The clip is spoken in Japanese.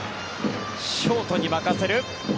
ショートに任せる。